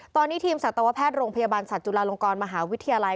ตอนนี้ทีมสัตวแพทย์โรงพยาบาลสัตว์จุฬาลงกรมหาวิทยาลัย